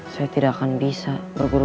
saya tidak akan bisa berburu